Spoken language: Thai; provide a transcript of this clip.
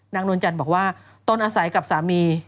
นวลจันทร์บอกว่าตนอาศัยกับสามี